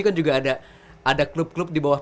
kan juga ada klub klub di bawah